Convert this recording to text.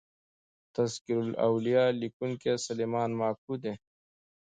" تذکرة الاولیا" لیکونکی سلیمان ماکو دﺉ.